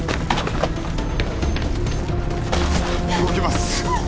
動きます。